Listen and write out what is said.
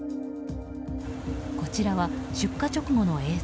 こちらは出火直後の映像。